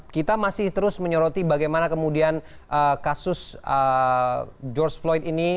kita masih terus menyoroti bagaimana kemudian kasus george floyd ini